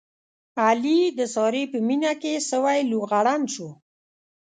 علي د سارې په مینه کې سوی لوغړن شو.